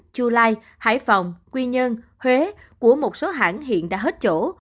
chu lai hải phòng quy nhơn huế của một số hãng hiện đã hết chỗ